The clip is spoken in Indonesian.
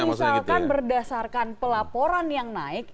misalkan berdasarkan pelaporan yang naik